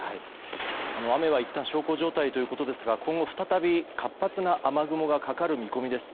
雨はいったん小康状態ということですが今後、再び活発な雨雲がかかる見込みです。